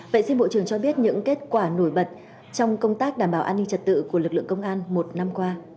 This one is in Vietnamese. vậy xin bộ trưởng cho biết những kết quả nổi bật trong công tác đảm bảo an ninh trật tự của lực lượng công an một năm qua